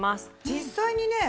実際にね